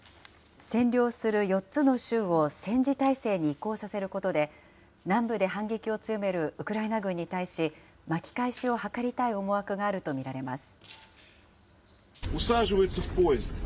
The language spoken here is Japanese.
占領する４つの州を戦時体制に移行させることで、南部で反撃を強めるウクライナ軍に対し、巻き返しを図りたい思惑があると見られます。